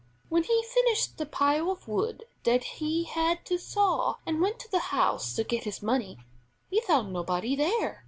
When he finished the pile of wood that he had to saw, and went to the house to get his money, he found nobody there.